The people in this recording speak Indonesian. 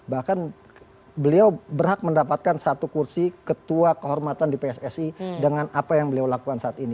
bahkan beliau berhak mendapatkan satu kursi ketua kehormatan di pssi dengan apa yang beliau lakukan saat ini